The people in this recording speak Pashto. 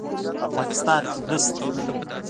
په افغانستان کې نشته